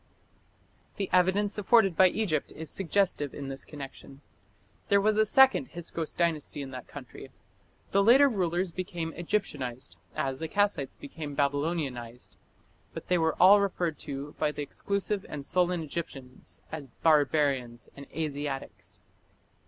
The evidence afforded by Egypt is suggestive in this connection. There was a second Hyksos Dynasty in that country. The later rulers became "Egyptianized" as the Kassites became "Babylonianized", but they were all referred to by the exclusive and sullen Egyptians as "barbarians" and "Asiatics".